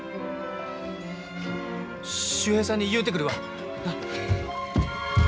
秀平さんに言うてくるわ。